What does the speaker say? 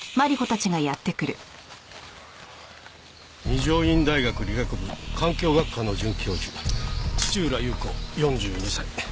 二条院大学理学部環境学科の准教授土浦裕子４２歳。